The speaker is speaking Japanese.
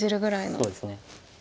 そうですね。